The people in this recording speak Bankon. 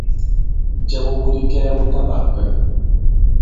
Jɛ wu iwu di kɛɛ wu ta ɓak ipɛ.